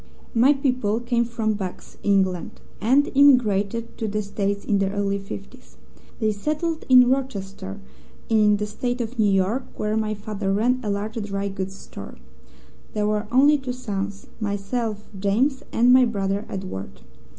"My people came from Bucks, England, and emigrated to the States in the early fifties. They settled in Rochester, in the State of New York, where my father ran a large dry goods store. There were only two sons: myself, James, and my brother, Edward.